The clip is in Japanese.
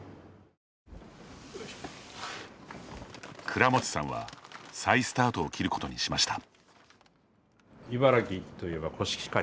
倉持さんは再スタートを切ることにしました。